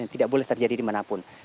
tidak boleh terjadi di mana pun